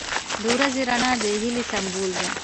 • د ورځې رڼا د هیلې سمبول دی.